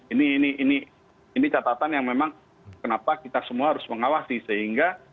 ini catatan yang memang kenapa kita semua harus mengawasi sehingga